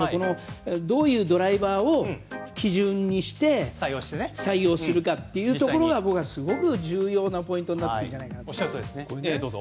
どういうドライバーを基準にして採用するかというところがすごく重要なポイントになってくるんじゃないかなと思います。